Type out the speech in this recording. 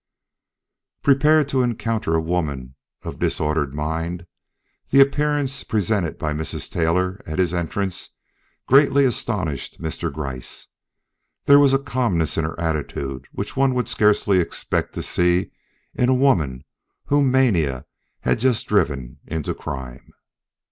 Prepared to encounter a woman of disordered mind, the appearance presented by Mrs. Taylor at his entrance greatly astonished Mr. Gryce. There was a calmness in her attitude which one would scarcely expect to see in a woman whom mania had just driven into crime.